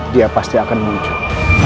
dia pasti akan muncul